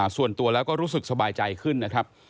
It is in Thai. ส่วนตัวแล้วก็รู้สึกสบายใจขึ้นนะครับ